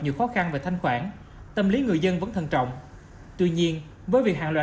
nhiều khó khăn và thanh khoản tâm lý người dân vẫn thân trọng tuy nhiên với việc hàng loạt